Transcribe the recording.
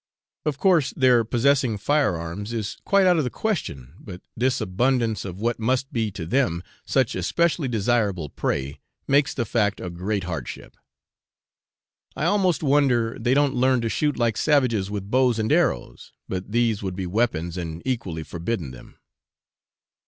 Of course their possessing firearms is quite out of the question; but this abundance of what must be to them such especially desirable prey, makes the fact a great hardship. I almost wonder they don't learn to shoot like savages with bows and arrows, but these would be weapons, and equally forbidden them.